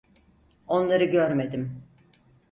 Onları görmedim.